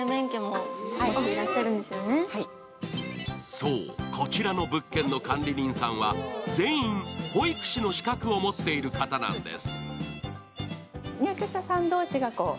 そう、こちらの物件の管理人さんは全員、保育士の免許を持っている方なんです。